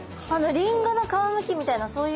リンゴの皮むきみたいなそういう。